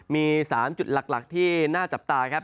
มี๓จุดหลักที่น่าจับตาครับ